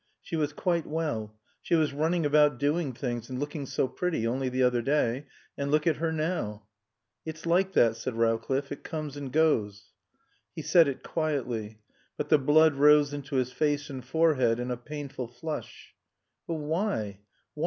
She was quite well. She was running about doing things and looking so pretty only the other day. And look at her now." "It's like that," said Rowcliffe. "It comes and goes." He said it quietly. But the blood rose into his face and forehead in a painful flush. "But why? Why?"